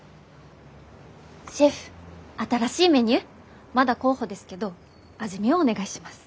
シェフ新しいメニューまだ候補ですけど味見をお願いします。